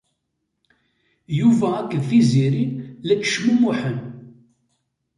Yuba akked Tiziri la ttecmumuḥen.